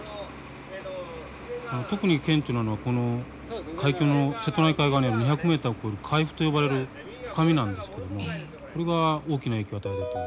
特に顕著なのはこの海峡の瀬戸内海側にある２００ｍを超える海釜と呼ばれる深みなんですけどもこれが大きな影響を与えるんですね。